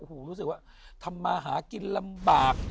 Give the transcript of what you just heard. โอ้โหรู้สึกว่าทำมาหากินลำบาก